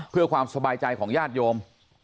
เพื่อความสบายใจของญาติโยม